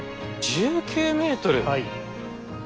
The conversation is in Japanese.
１９ｍ！